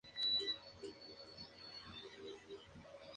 En abril, Joanne Kelly fue elegida para un papel recurrente.